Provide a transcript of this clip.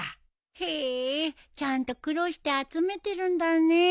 へえちゃんと苦労して集めてるんだね。